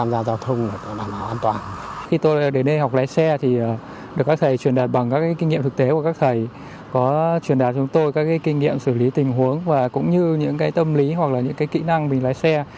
có truyền đạt cho chúng tôi các kinh nghiệm xử lý tình huống và cũng như những tâm lý hoặc là những kỹ năng mình lái xe